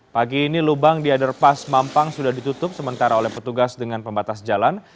pagi ini lubang di anderpas mampang sudah ditutup sementara oleh petugas dengan pembatas jalan